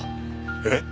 えっ！？